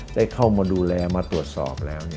ได้เข้ามาดูแลมาตรวจสอบแล้ว